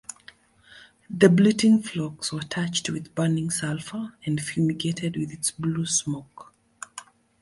The bleating flocks were touched with burning sulfur and fumigated with its blue smoke.